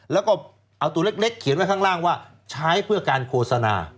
แล้วก็เอาตัวเล็กเขียนไว้ข้างล่างว่าใช้เพื่อการโฆษณา